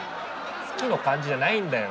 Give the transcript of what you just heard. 好きの感じじゃないんだよ！